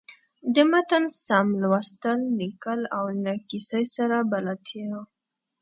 د متن سم لوستل، ليکل او له کیسۍ سره بلدتیا.